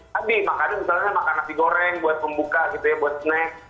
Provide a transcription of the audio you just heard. tadi makannya misalnya makan nasi goreng buat pembuka gitu ya buat snack